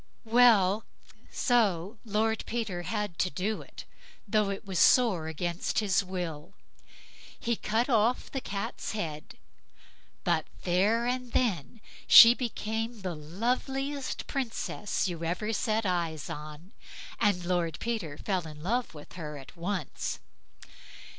Well! so Lord Peter had to do it, though it was sore against his will. He cut off the Cat's head, but there and then she became the loveliest Princess you ever set eyes on, and Lord Peter fell in love with her at once.